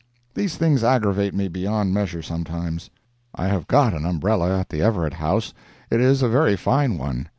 These things aggravate me beyond measure, sometimes. I have got an umbrella at the Everett House. It is a very fine one.